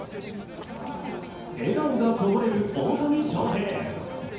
笑顔がこぼれる大谷翔平。